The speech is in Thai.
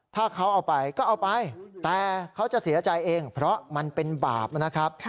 ถ้าเขาเอาไปก็เอาไปแต่เขาจะเสียใจเองเพราะมันเป็นบาปนะครับ